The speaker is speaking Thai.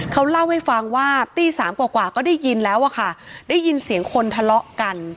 เขาเล่าให้ฟังว่าตีสามกว่าก็ได้ยินแล้วอะค่ะได้ยินเสียงคนทะเลาะกัน